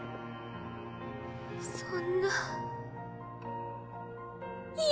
そんな嫌！